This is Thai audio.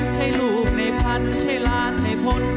ใช่ลูกในพันใช่ล้านในพล